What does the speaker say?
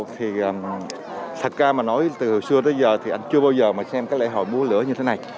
thì thật ra mà nói từ xưa tới giờ thì anh chưa bao giờ mà xem các lễ hội múa lửa như thế này